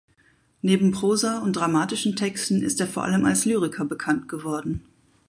Neben Prosa und dramatischen Texten ist er vor allem als Lyriker bekannt geworden.